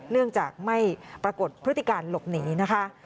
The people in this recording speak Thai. เนื่องจากไม่ปรากฏพฤติการหลบหนีนะคะ